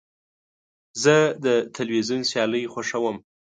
زه د تلویزیون سیالۍ خوښوم.